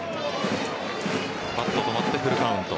バット止まってフルカウント。